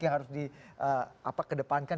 yang harus dikedepankan